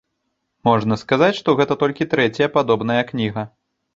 Можна сказаць, што гэта толькі трэцяя падобная кніга.